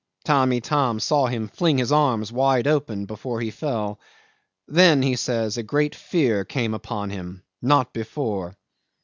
Tamb' Itam saw him fling his arms wide open before he fell. Then, he says, a great fear came upon him not before.